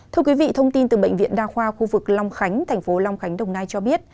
thưa quý vị thông tin từ bệnh viện đa khoa khu vực long khánh thành phố long khánh đồng nai cho biết